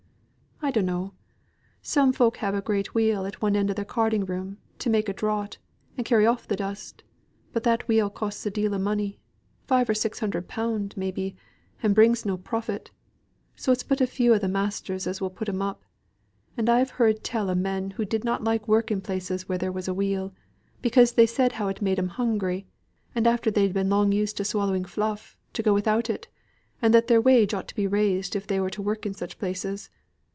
"I dunno. Some folk have a great wheel at one end o' their carding rooms to make a draught, and carry off th' dust; but that wheel costs a deal of money five or six hundred pounds, maybe, and brings in no profit; so it's but a few of th' masters as will put 'em up; and I've heard tell o' men who didn't like working in places where there was a wheel, because they said as how it made 'em hungry, at after they'd been long used to swallowing fluff, to go without it, and that their wages ought to be raised if they were to work in such places.